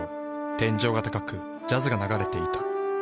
天井が高くジャズが流れていた。